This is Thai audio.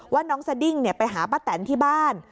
ว่าน้องสดิ้งไปหาป้าแตนที่บ้าน